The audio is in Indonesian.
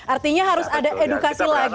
artinya harus ada edukasi lagi